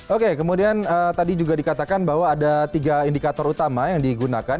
oke kemudian tadi juga dikatakan bahwa ada tiga indikator utama yang digunakan